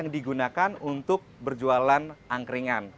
digunakan untuk berjualan angkringan